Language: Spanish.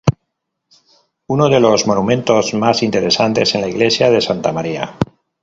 Uno de los monumentos más interesantes es la iglesia de Santa María.